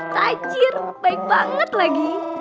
tajir baik banget lagi